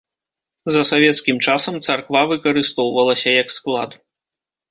За савецкім часам царква выкарыстоўвалася як склад.